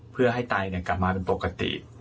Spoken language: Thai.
เพื่อให้ไตกลับมาเป็นปกติ